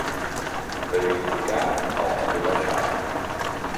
Reivindicà el paper del xaman.